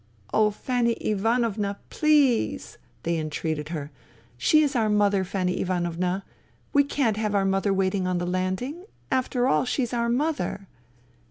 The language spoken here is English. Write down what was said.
*'" Oh, Fanny Ivanovna, please !" they entreated her. "She is our mother, Fanny Ivanovna. We can't have our mother waiting on the landing. After all, she's our mother."